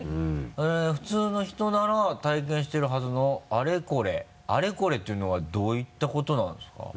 「普通の人なら体験しているはずのアレコレ」「アレコレ」っていうのはどういったことなんですか？